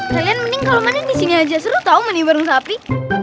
kalian mending kalau mandi di sini aja seru tahu mandi bareng sapi